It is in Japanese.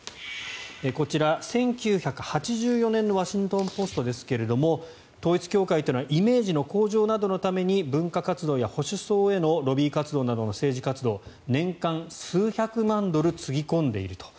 こちら、１９８４年のワシントン・ポストですが統一教会というのはイメージの向上などのために文化活動や保守層へのロビー活動などの政治活動年間数百万ドルつぎ込んでいると。